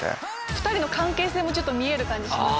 ２人の関係性も見える感じします。